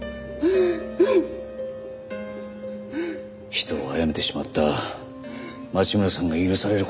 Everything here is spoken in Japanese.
人をあやめてしまった町村さんが許される事は決してない。